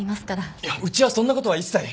いやうちはそんなことは一切。